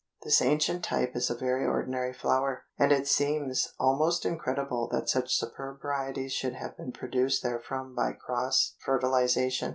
This ancient type is a very ordinary flower, and it seems almost incredible that such superb varieties should have been produced therefrom by cross fertilization.